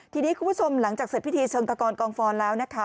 ทีนี้คุณผู้ชมหลังจากเสร็จพิธีเชิงตะกอนกองฟอนแล้วนะคะ